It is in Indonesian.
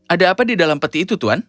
ada apa di dalam peti itu tuan